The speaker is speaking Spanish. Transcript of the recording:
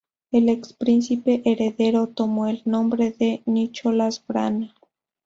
El ex príncipe heredero tomo el nombre de "Nicholas Brana".